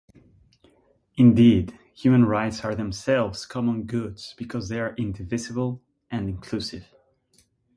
Indeed, human rights are themselves common goods because they are indivisible and inclusive.